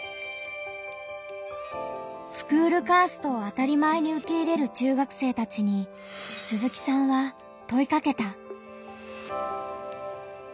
スクールカーストを当たり前に受け入れる中学生たちに鈴木さんは問いかけた。